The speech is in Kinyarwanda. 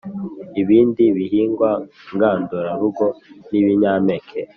ibindi bihingwa ngandurarugo ni ibinyampeke.